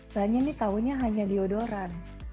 saya ini tahunya hanya deodoran